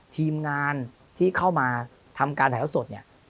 ทีมงานที่เข้ามาทำการถ่ายเท้าสดเนี่ย